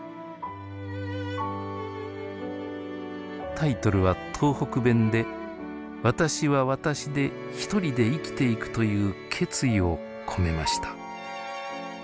タイトルは東北弁で「私は私でひとりで生きていく」という決意を込めました。